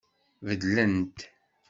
Beddlent